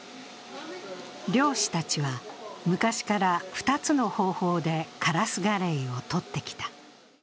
漁師たちは昔から２つの方法でカラスガレイをとってきた。